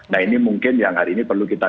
nah ini mungkin yang hari ini perlu kita